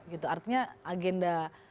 gitu artinya agenda